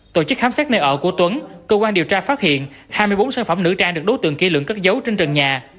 tổ chức khám xét nơi ở của tuấn cơ quan điều tra phát hiện hai mươi bốn sản phẩm nữ trang được đối tượng kỷ lượng cất dấu trên trần nhà